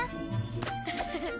フフフッ！